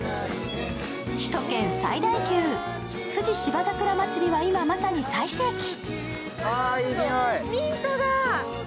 首都圏最大級、富士芝桜まつりは今、まさに最盛期。